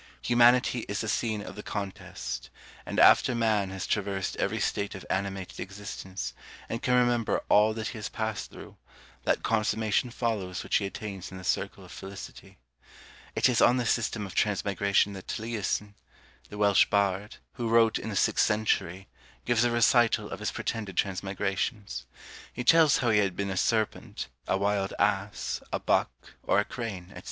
Humanity is the scene of the contest; and after man has traversed every state of animated existence, and can remember all that he has passed through, that consummation follows which he attains in the circle of felicity. It is on this system of transmigration that Taliessin, the Welsh bard, who wrote in the sixth century, gives a recital of his pretended transmigrations. He tells how he had been a serpent, a wild ass, a buck, or a crane, &c.